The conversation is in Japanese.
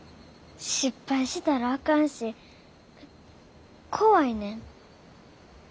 失敗したらあかんし怖いねん。